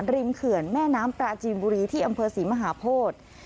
เขื่อนแม่น้ำปลาจีนบุรีที่อำเภอศรีมหาโพธิ